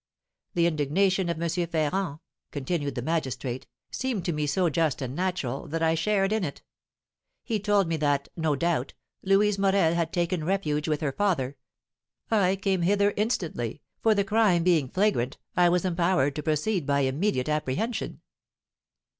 The indignation of M. Ferrand," continued the magistrate, "seemed to me so just and natural, that I shared in it. He told me that, no doubt, Louise Morel had taken refuge with her father. I came hither instantly, for the crime being flagrant, I was empowered to proceed by immediate apprehension."